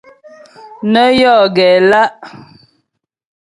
Nə́ yɔ gɛ lá'.